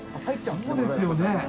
そうですよね。